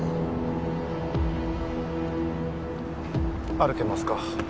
歩けますか？